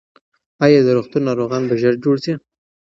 ایا د روغتون ناروغان به ژر جوړ شي؟